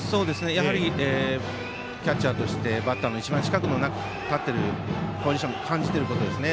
やはりキャッチャーとしてバッターの一番近くに立っているポジションで感じてることですね。